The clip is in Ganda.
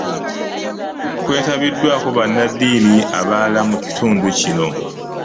Kwetabiddwako bannaddiini abalala mu kitundu kino.